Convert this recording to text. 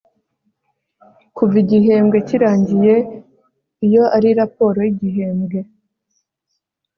kuva igihembwe kirangiye iyo ari raporo y igihembwe